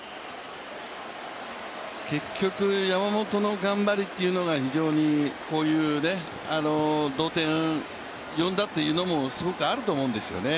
結局、山本の頑張りというのがこういう同点呼んだというのもすごくあると思うんですよね。